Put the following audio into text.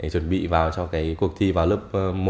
chuẩn bị vào cho cuộc thi vào lớp